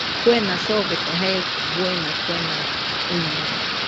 Kuena soofete jae buena kuena uiñede